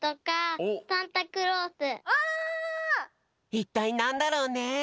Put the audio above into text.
いったいなんだろうね？